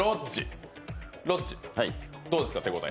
どうですか、手応え。